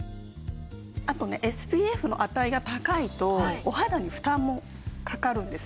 あとねＳＰＦの値が高いとお肌に負担もかかるんです。